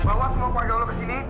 ya udah bawa semua keluarga lo ke sini